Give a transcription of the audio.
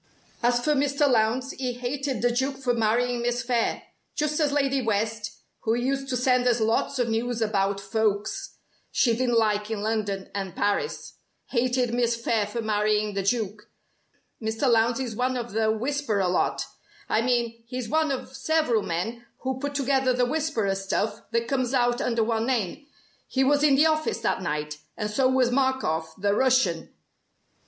"As for Mr. Lowndes, he hated the Duke for marrying Miss Phayre just as Lady West (who used to send us lots of news about folks she didn't like in London and Paris) hated Miss Phayre for marrying the Duke. Mr. Lowndes is one of the 'Whisperer' lot. I mean he's one of several men who put together the 'Whisperer' stuff that comes out under one name. He was in the office that night, and so was Markoff the Russian!